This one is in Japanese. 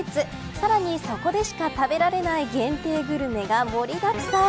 さらに、そこでしか食べられない限定グルメが盛りだくさん。